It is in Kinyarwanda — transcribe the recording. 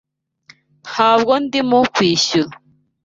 Ntabwo ndimo kwishyura.